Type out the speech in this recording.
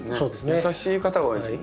優しい方が多いですもんね。